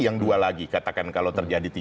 yang dua lagi katakan kalau terjadi